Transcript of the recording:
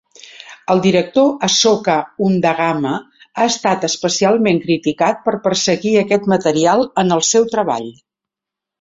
El director Asoka Handagama ha estat especialment criticat per perseguir aquest material en el seu treball.